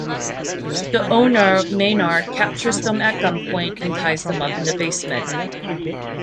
The owner, Maynard, captures them at gunpoint and ties them up in the basement.